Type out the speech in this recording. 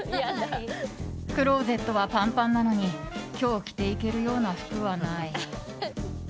クローゼットはパンパンなのに今日着ていけるような服はない。